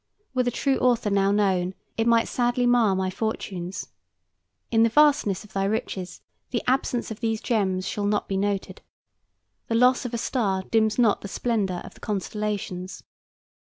Were the true author now known it might sadly mar my fortunes. In the vastness of thy riches, the absence of these gems shall not be noted. The loss of a star dims not the splendor of the constellations.